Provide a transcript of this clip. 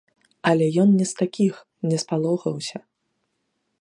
Але ён не з такіх, не спалохаўся.